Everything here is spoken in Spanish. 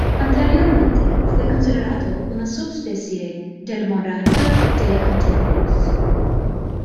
Anteriormente fue considerado una subespecie del monarca de anteojos.